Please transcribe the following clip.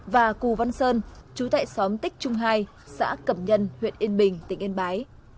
và cù văn sơn chú tại xóm tích trung hai xã cẩm nhân huyện yên bình tỉnh yên bái